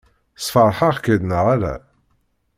Sfeṛḥeɣ-k-id neɣ ala?